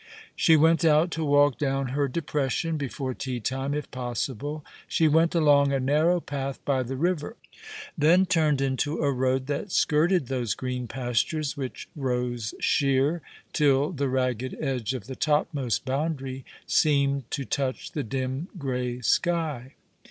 She went out to walk down her depression before teatirae, if possible. She went along a narrow path by the river, then All alono the River, t» turned into a road that skirted those green pastures which rose sheer till the ragged edge of the topmost boundary seemed to touch the dim, grey sky.